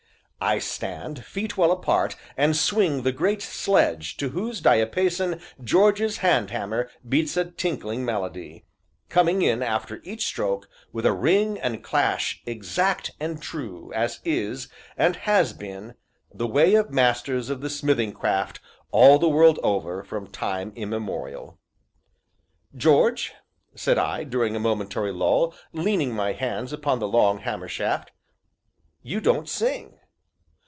I stand, feet well apart, and swing the great "sledge" to whose diapason George's hand hammer beats a tinkling melody, coming in after each stroke with a ring and clash exact and true, as is, and has been, the way of masters of the smithing craft all the world over from time immemorial. "George," said I, during a momentary lull, leaning my hands upon the long hammer shaft, "you don't sing."